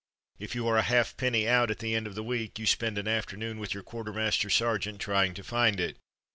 If you are a halfpenny out at the end of the week, you spend an afternoon with your quartermaster sergeant trying to find it.